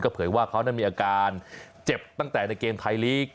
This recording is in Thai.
เผยว่าเขานั้นมีอาการเจ็บตั้งแต่ในเกมไทยลีก